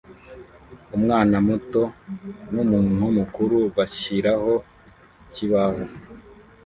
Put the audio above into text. Umwana muto numuntu mukuru bashiraho ikibaho